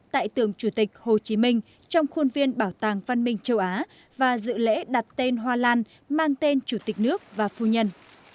tại tưởng chủ tịch hồ chí minh trong khuôn viên bảo tàng văn minh châu á và dự lễ đặt tên hoa lan mang tên chủ tịch nước và phu nhân